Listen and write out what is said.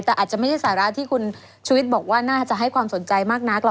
แต่อาจจะไม่ใช่สาระที่คุณชุวิตบอกว่าน่าจะให้ความสนใจมากนักหรอก